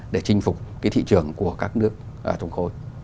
để chinh phục cái thị trường của các nước trong khối